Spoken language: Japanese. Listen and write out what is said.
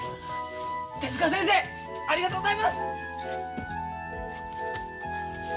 手先生ありがとうございます。